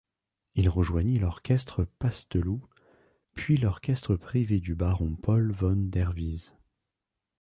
Il rejoignit l'Orchestre Pasdeloup puis l'orchestre privé du Baron Paul von Derwies.